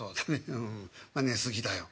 うんまあ寝過ぎだよ」。